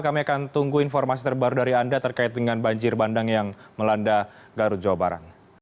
kami akan tunggu informasi terbaru dari anda terkait dengan banjir bandang yang melanda garut jawa barat